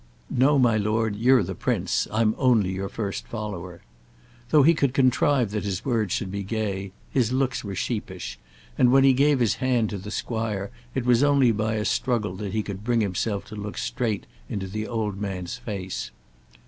"No, my lord; you're the prince. I'm only your first follower." Though he could contrive that his words should be gay, his looks were sheepish, and when he gave his hand to the squire it was only by a struggle that he could bring himself to look straight into the old man's face.